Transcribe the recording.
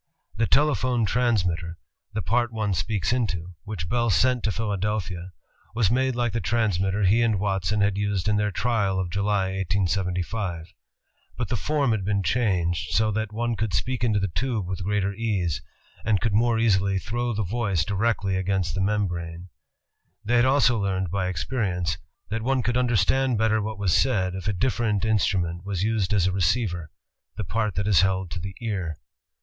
The telephone trans mitter, — the part one speaks into, — which Bell sent to ALEXANDER GRAHAM BELL 243 Philadelphia, was made like the transmitter he and Watson had used in their trial of July, 1875. But the form had been changed so that one could speak into the tube with greater ease, and could more easily throw the voice di rectly against the membrane. They had also learned by experience, that one could understand better what was said, if a different instrument was used as a receiver, — the part that is held to the ear.